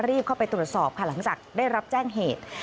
รีบเข้าไปตรวจสอบค่ะหลังจากได้รับแจ้งเหตุ